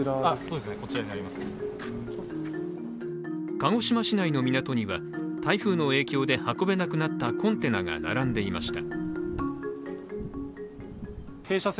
鹿児島市内の港には台風の影響で運べなくなったコンテナが並んでいました。